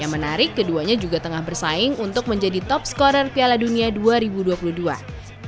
yang menarik keduanya juga tengah bersaing untuk menjadi top scorer piala dunia dua dan dua